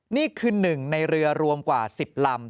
นี่คือหนึ่งในเรือรวมกว่า๑๐ลำ